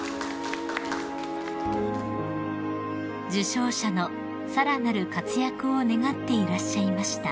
［受賞者のさらなる活躍を願っていらっしゃいました］